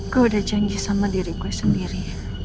gue udah janji sama diriku sendiri